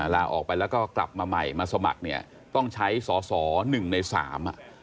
ลาออกไปแล้วก็กลับมาใหม่มาสมัครเนี่ยต้องใช้สอสอหนึ่งในสามอ่ะ